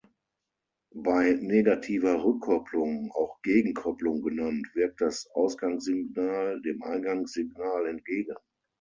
Bei negativer Rückkopplung, auch Gegenkopplung genannt, wirkt das Ausgangssignal dem Eingangssignal entgegen.